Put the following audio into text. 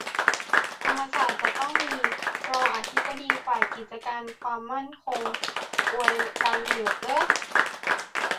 ธรรมศาสตร์จะต้องมี "รองอธิการบดีฝ่ายกิจการความมั่นคง" อวยกันเหลือเกิ๊น